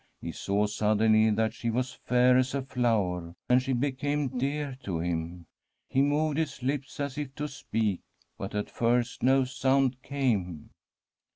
He saw suddenly that she was fair as a flower, and she be came dear to him. He moved his lips as if to speak, but at first no sound came.